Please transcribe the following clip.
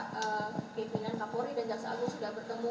pimpinan kapolri dan jaksa agung sudah bertemu